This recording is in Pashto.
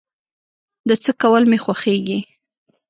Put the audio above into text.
د څه کول مې خوښيږي؟